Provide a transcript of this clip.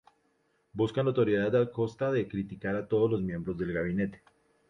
Busca notoriedad a costa de criticar a todos los miembros del gabinete.